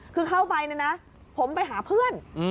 คือเข้าไปนะนะผมไปหาเพื่อน